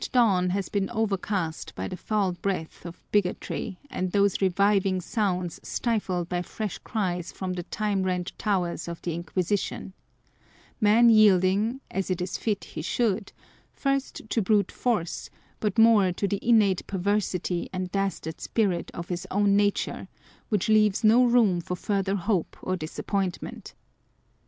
ISO dawn lias been overcast by the foul breath of bigotry, and those reviving sounds stifled by fresh cries from the time rent towers of the Inquisition : man yielding (as it is fit he should) first to brute force, but more to the innate per versity and dastard spirit of his own nature which leaves no room for farther hope or disappointment.